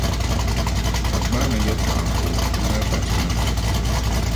Dagbani yɛltͻɣa puuni, ti mali bachiniŋda .